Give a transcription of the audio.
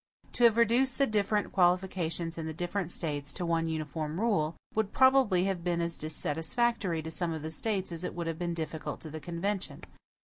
To have reduced the different qualifications in the different States to one uniform rule, would probably have been as dissatisfactory to some of the States as it would have been difficult to the convention.